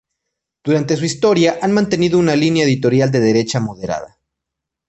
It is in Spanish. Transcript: Durante su historia ha mantenido una línea editorial de derecha moderada.